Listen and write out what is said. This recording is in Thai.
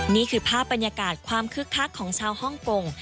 นี่คือภาพบรรยากาศความคึกคักของชาวฮ่องกง